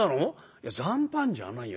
「いや残飯じゃないよ。